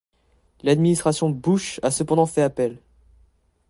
L'administration Bush a cependant fait appel.